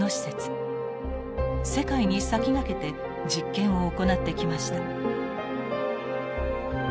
世界に先駆けて実験を行ってきました。